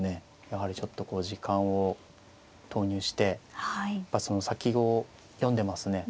やはりちょっとこう時間を投入してやっぱりその先を読んでますね。